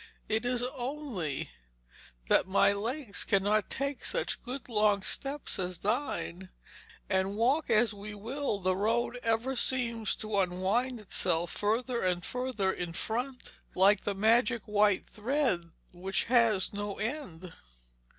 'It is only that my legs cannot take such good long steps as thine; and walk as we will the road ever seems to unwind itself further and further in front, like the magic white thread which has no end.'